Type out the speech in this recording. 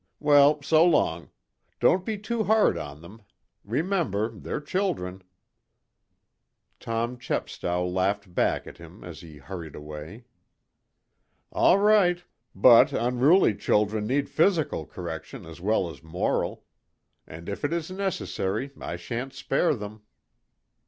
"Well, so long. Don't be too hard on them. Remember they're children." Tom Chepstow laughed back at him as he hurried away. "All right. But unruly children need physical correction as well as moral. And if it is necessary I shan't spare them."